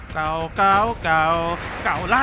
เก่าเก่าเก่าเก่าละ